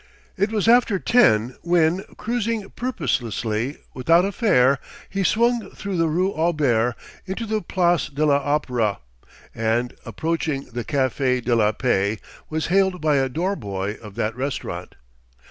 It was after ten when, cruising purposelessly, without a fare, he swung through the rue Auber into the place de l'Opéra and, approaching the Café de la Paix, was hailed by a door boy of that restaurant.